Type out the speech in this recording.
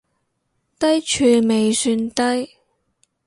低處未算低